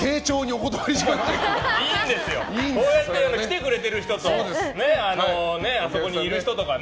こうやって来てくれる人とあそこにいる人とかね